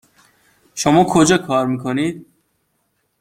شما کجا کار میکنید؟